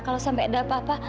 kalau sampai ada apa apa